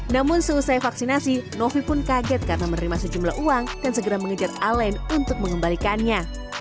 namun selesai vaksinasi novi pun kaget karena menerima sejumlah uang dan segera mengejar alen untuk mengembalikannya